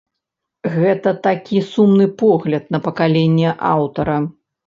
Гэта такі сумны погляд на пакаленне аўтара.